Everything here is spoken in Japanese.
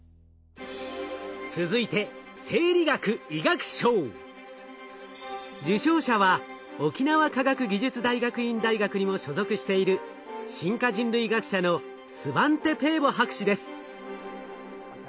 続いて受賞者は沖縄科学技術大学院大学にも所属している進化人類学者のスバンテ・ペーボ博士です。